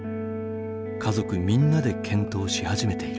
家族みんなで検討し始めている。